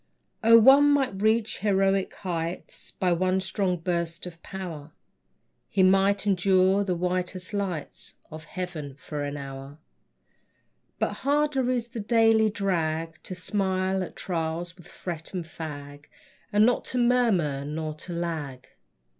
O, one might reach heroic heights By one strong burst of power. He might endure the whitest lights Of heaven for an hour; But harder is the daily drag, To smile at trials which fret and fag, And not to murmur nor to lag.